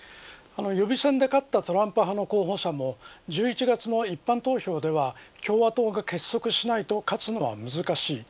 予備選で勝ったトランプ派の候補者も１１月の一般投票では共和党が結束しないと勝つのは難しい。